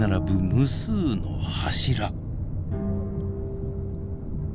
無数の柱。